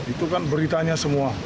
itu kan beritanya semua